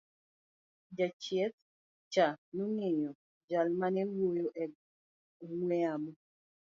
jachieth cha nong'iyo jal mane wuoyo e ong'we yamo